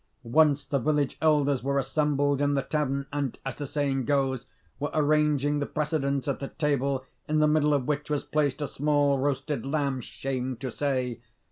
Once the village elders were assembled in the tavern, and, as the saying goes, were arranging the precedence at the table, in the middle of which was placed a small roasted lamb, shame to say.